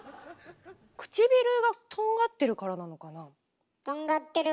くちびるがとんがってるからなのかな。